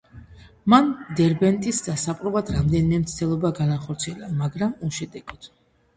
მან დერბენტის დასაპყრობად რამდენიმე მცდელობა განახორციელა, მაგრამ უშედეგოდ.